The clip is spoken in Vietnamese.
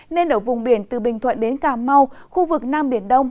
nên ở vùng biển từ bình thuận đến cà mau khu vực nam biển đông